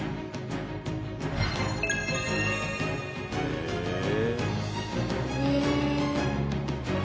へえ。